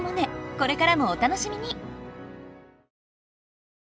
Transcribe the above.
これからもお楽しみに！